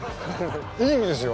いい意味ですよ。